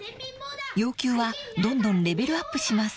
［要求はどんどんレベルアップします］